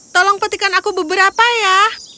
tolong petikan aku beberapa ya